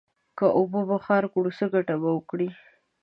که اوبه بخار کړو، څه گټه به وکړو؟